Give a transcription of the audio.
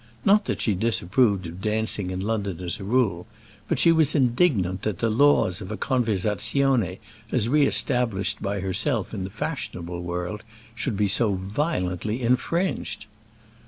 Not that she disapproved of dancing in London, as a rule; but she was indignant that the laws of a conversazione, as re established by herself in the fashionable world, should be so violently infringed.